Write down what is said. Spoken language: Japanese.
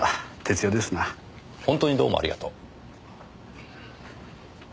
本当にどうもありがとう。